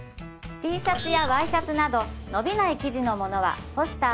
ＴシャツやＹシャツなど伸びない生地のものは干した